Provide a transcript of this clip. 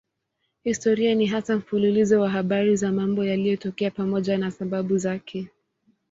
Historia ni hasa mfululizo wa habari za mambo yaliyotokea pamoja na sababu zake.